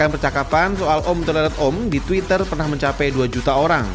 percakapan soal om toleran om di twitter pernah mencapai dua juta orang